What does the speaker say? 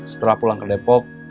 setelah pulang ke depok